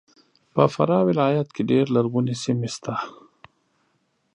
په فراه ولایت کې ډېر لرغونې سیمې سته